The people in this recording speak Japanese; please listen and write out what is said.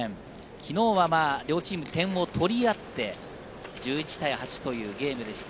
昨日は両チーム、点を取り合って、１１対８というゲームでした。